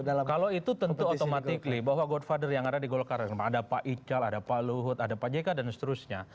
kalau itu tentu otomatik bahwa godfather yang ada di golkar ada pak ical ada pak luhut ada pak jk dan seterusnya